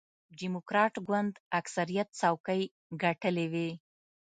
ډیموکراټ ګوند اکثریت څوکۍ ګټلې وې.